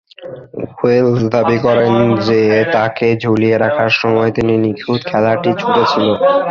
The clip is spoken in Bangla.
ওয়েলস দাবি করেন যে, তাকে ঝুলিয়ে রাখার সময় তিনি নিখুঁত খেলাটি ছুড়েছিলেন।